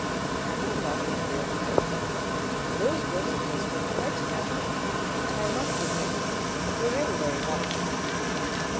Ami not his real wife ? Those words of his were quite natural, and I must admit, were really very nice.